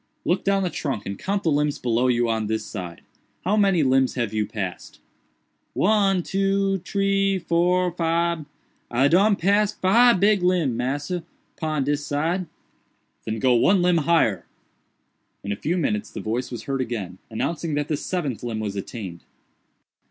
Look down the trunk and count the limbs below you on this side. How many limbs have you passed?" "One, two, tree, four, fibe—I done pass fibe big limb, massa, pon dis side." "Then go one limb higher." In a few minutes the voice was heard again, announcing that the seventh limb was attained.